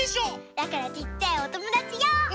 だからちっちゃいおともだちよう！